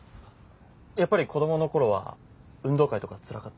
やっぱり子供の頃は運動会とかつらかった？